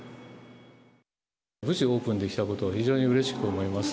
無事オープンできたことを非常にうれしく思います。